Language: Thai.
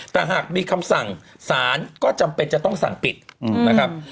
แต่หากมีคำสั่งสารก็จำเป็นจะต้องสั่งปิดนะครับ